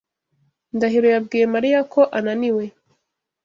Ndahiro yabwiye Mariya ko ananiwe.